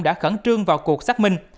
đã khẩn trương vào cuộc xác minh